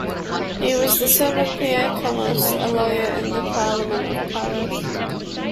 He was the son of Pierre Camus, a lawyer in the Parlement of Paris.